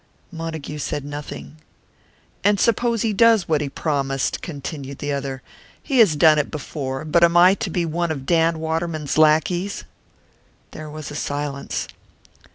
Montague said nothing. "And suppose he does what he promised?" continued the other. "He has done it before but am I to be one of Dan Waterman's lackeys?" There was a silence.